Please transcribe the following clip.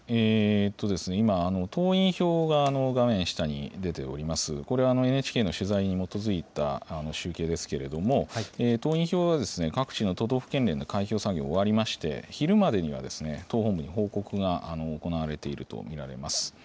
今、党員票が画面下に出ております、これはＮＨＫの取材に基づいた集計ですけれども、党員票は、各地の都道府県連の開票作業終わりまして、昼までには、党本部に報告が行われていると見られます。